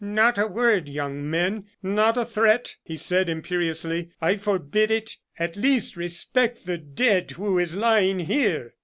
"Not a word, young men, not a threat!" he said, imperiously. "I forbid it. At least respect the dead who is lying here!"